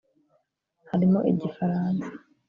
harimo Igifaransa